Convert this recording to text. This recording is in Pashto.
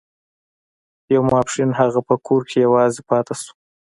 يو ماسپښين هغه په کور کې يوازې پاتې شو.